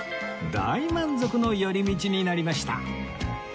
大満足の寄り道になりました